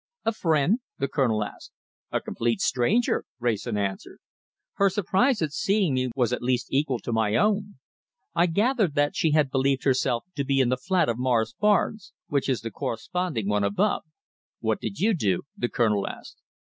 "A friend?" the Colonel asked. "A complete stranger!" Wrayson answered. "Her surprise at seeing me was at least equal to my own. I gathered that she had believed herself to be in the flat of Morris Barnes, which is the corresponding one above." "What did you do?" the Colonel asked.